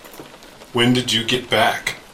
When did you get back?